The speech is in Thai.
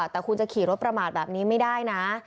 แต่คุณจะขี่รถประมาทแบบนี้ไม่ได้นะ